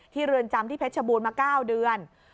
เรือนจำที่เพชรบูรณ์มา๙เดือน